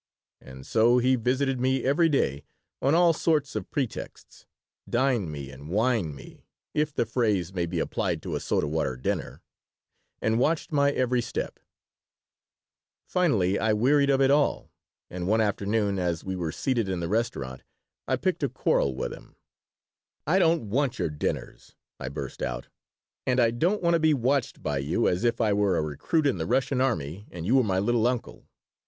And so he visited me every day, on all sorts of pretexts, dined me and wined me (if the phrase may be applied to a soda water dinner), and watched my every step Finally I wearied of it all, and one afternoon, as we were seated in the restaurant, I picked a quarrel with him "I don't want your dinners," I burst out, "and I don't want to be watched by you as if I were a recruit in the Russian army and you were my 'little uncle.'